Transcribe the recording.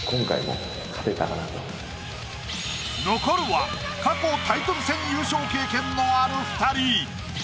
残るは過去タイトル戦優勝経験のある２人。